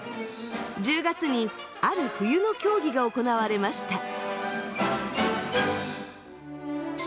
１０月にある冬の競技が行われました。